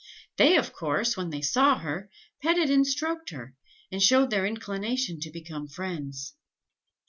They, of course, when they saw her, petted and stroked her, and showed their inclination to become friends.